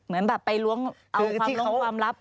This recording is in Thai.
เหมือนแบบไปล้วงเอาความลับ